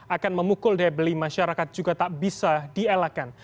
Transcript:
akan memukul debeli masyarakat juga tak bisa dielakkan